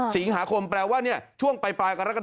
สิงหาคมแปลว่า